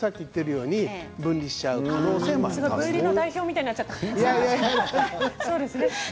今日、分離の代表みたいになっちゃった。